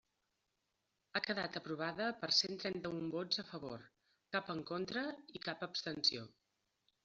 Ha quedat aprovada per cent trenta-un vots a favor, cap en contra i cap abstenció.